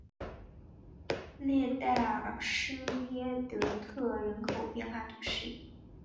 列代尔施耶德特人口变化图示